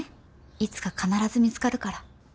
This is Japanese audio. いつか必ず見つかるから。